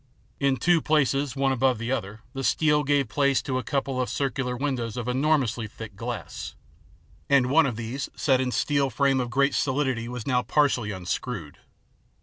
In two places, one above the other, the steel gave place to a couple of circular windows of enormously thick glass, and one of these, set in a steel frame of great solidity, was now partially unscrewed.